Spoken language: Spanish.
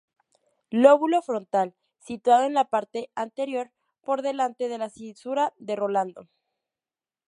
Lóbulo frontal: Situado en la parte anterior, por delante de la cisura de Rolando.